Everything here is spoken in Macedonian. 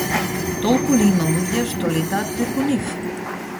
Толку ли има луѓе што летаат преку нив?